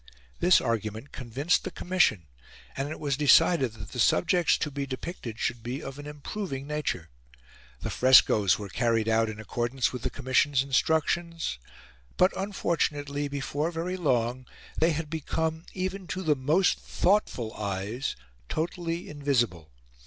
This argument convinced the commission, and it was decided that the subjects to be depicted should be of an improving nature. The frescoes were carried out in accordance with the commission's instructions, but unfortunately before very long they had become, even to the most thoughtful eyes, totally invisible.